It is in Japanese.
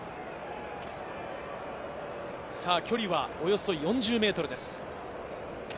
距離はおよそ４０ｍです。